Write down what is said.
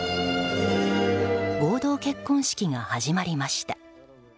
合同結婚式が始まりました。